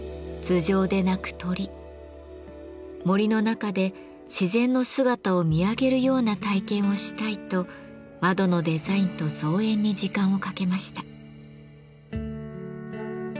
「森の中で自然の姿を見上げるような体験をしたい」と窓のデザインと造園に時間をかけました。